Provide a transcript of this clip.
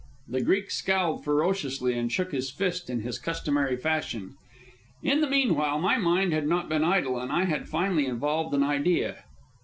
The Greek scowled ferociously and shook his fist in his customary fashion. In the meanwhile my mind had not been idle, and I had finally evolved an idea.